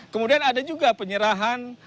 kemudian ada juga penyerahan